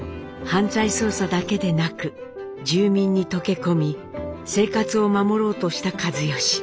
犯罪捜査だけでなく住民に溶け込み生活を守ろうとした一嚴。